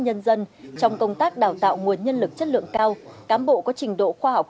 nhân dân trong công tác đào tạo nguồn nhân lực chất lượng cao cán bộ có trình độ khoa học